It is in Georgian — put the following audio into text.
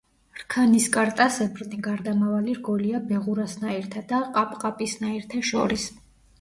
რქანისკარტასებრნი გარდამავალი რგოლია ბეღურასნაირთა და ყაპყაპისნაირთა შორის.